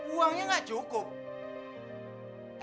uangnya gak cukup